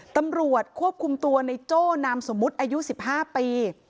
ตำรวจควบคุมตัวในโจ้นามสมมุติอายุ๑๕ปี